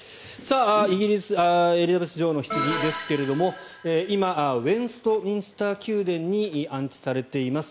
イギリス、エリザベス女王のひつぎですけれども今、ウェストミンスター宮殿に安置されています。